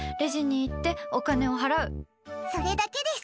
それだけです。